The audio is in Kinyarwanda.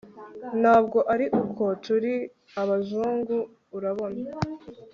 ntabwo ari uko turi abazungu, urabona